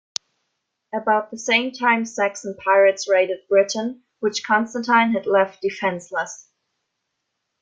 About the same time Saxon pirates raided Britain, which Constantine had left defenseless.